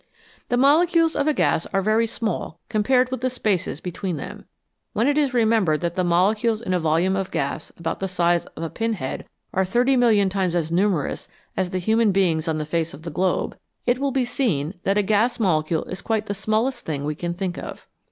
The molecules of a gas are very small compared with the spaces between them. When it is remembered that the molecules in a volume of gas about the size of a 48 INVISIBLE SUBSTANCES pin head are thirty million times as numerous as the human beings on the face of the globe, it will be seen that a gas molecule is quite the smallest thing we can think of.